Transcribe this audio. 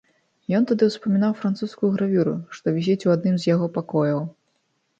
Ён тады ўспамінаў французскую гравюру, што вісіць у адным з яго пакояў.